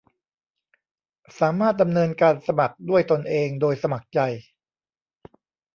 สามารถดำเนินการสมัครด้วยตนเองโดยสมัครใจ